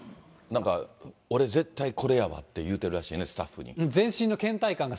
なんか、俺、絶対これやわって言うてるらしいね、スタッフに。